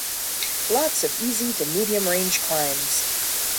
Lots of easy to medium range climbs.